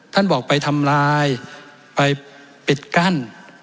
ท่านบอกไปทำลายไปปิดกั้น